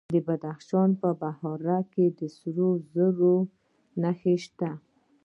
د بدخشان په بهارک کې د سرو زرو نښې شته.